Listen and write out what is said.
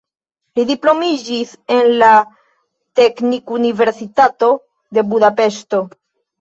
Li diplomitiĝis en la teknikuniversitato de Budapeŝto.